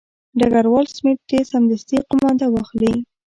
ډګروال سمیت دې سمدستي قومانده واخلي.